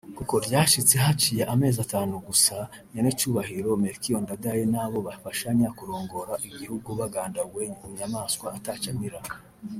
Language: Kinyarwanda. kuko ryashitse haciye amezi atanu gusa nyenicubahiro Melchior Ndadaye n’abo bafashanya kurongora igihugu bagandaguwe bunyamaswa atacamira